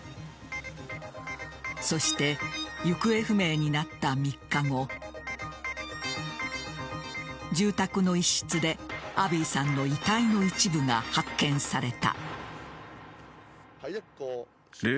そして行方不明になった３日後住宅の一室でアビーさんの遺体の一部が発見された。